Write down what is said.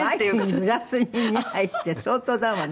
ワイングラスに２杯って相当だわね。